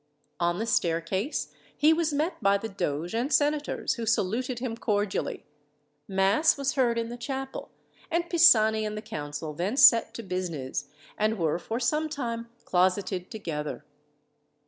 On the staircase he was met by the doge and senators, who saluted him cordially. Mass was heard in the chapel, and Pisani and the council then set to business, and were for some time closeted together.